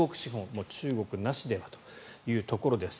もう中国なしではというところです。